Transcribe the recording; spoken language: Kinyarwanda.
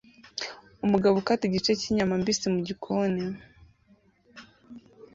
Umugabo ukata igice cyinyama mbisi mugikoni